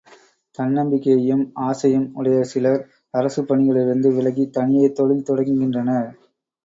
தன்னம்பிக்கையும் ஆசையும் உடைய சிலர், அரசுப் பணிகளிலிருந்து விலகித் தனியே தொழில் தொடங்குகின்றனர்.